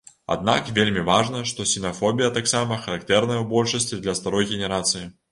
Аднак вельмі важна, што сінафобія таксама характэрная ў большасці для старой генерацыі.